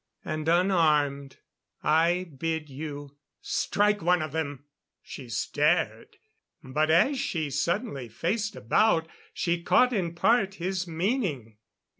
And unarmed. I bid you strike one of them!" She stared; but as she suddenly faced about, she caught in part his meaning.